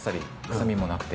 臭みもなくて。